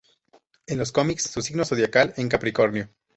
En los comics, su signo zodiacal en Capricornio.